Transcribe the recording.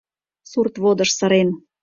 — Сурт водыж сырен!..